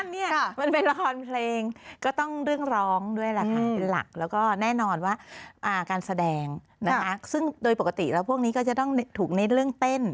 แน่นอนว่าการแสดงซึ่งโดยปกติแต่พวกนี้ก็จะต้องถูกในเรื่องเต้น